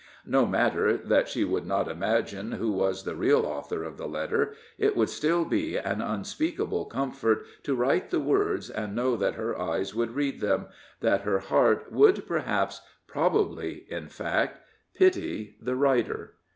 No matter that she would not imagine who was the real author of the letter it would still be an unspeakable comfort to write the words and know that her eyes would read them that her heart would perhaps probably, in fact pity the writer.